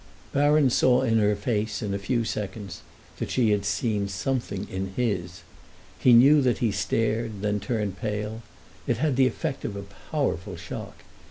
Baron saw in her face, in a few seconds, that she had seen something in his. He knew that he stared, then turned pale; it had the effect of a powerful shock.